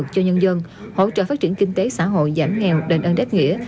cho nhân dân hỗ trợ phát triển kinh tế xã hội giảm nghèo đền ân đáp nghĩa